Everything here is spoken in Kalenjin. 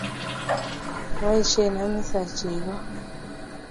Maboishee Hamisa chego